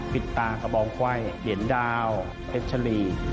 ปิดตากระบองไขว้เหรียญดาวเพชรชรี